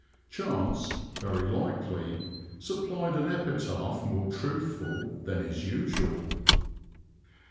Chance, very likely, supplied an epitaph more truthful than is usual.